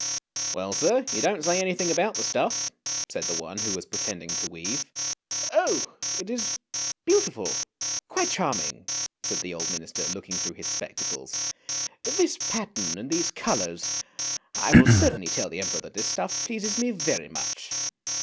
" Well, sir, you don't say anything about the stuff," said the one who was pretending to weave. " Oh, it is beautiful! quite charming! " said the old minister looking through his spectacles; " this pattern and these colours! I will certainly tell the Emperor that the stuff pleases me very much."